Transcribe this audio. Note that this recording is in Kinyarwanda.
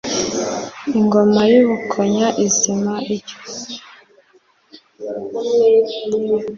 Ingoma y'u Bukonya izima ityo.